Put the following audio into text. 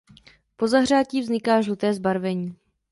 Po zahřátí vzniká žluté zbarvení.